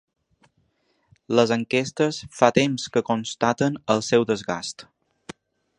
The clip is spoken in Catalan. Les enquestes fa temps que constaten el seu desgast.